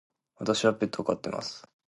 私はペットを飼っています。